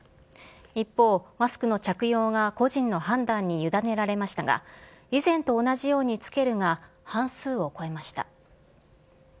一方、マスクの着用が個人の判断に委ねられましたが、以前と同じように着けるが半数を超えました。